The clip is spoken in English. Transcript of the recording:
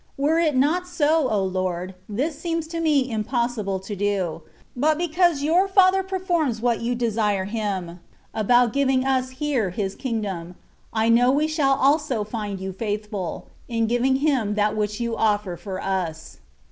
Were it not so, O Lord ! this seems to me impossible to do : but because your Father performs what you desire Him, about giving us here His kingdom, I know we shall also find you faithful, in giving Him that which you offer for us.